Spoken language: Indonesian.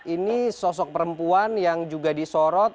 ini sosok perempuan yang juga disorot